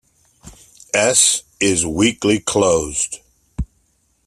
"S"' is "weakly closed".